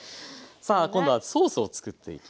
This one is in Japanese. さあ今度はソースを作っていきます。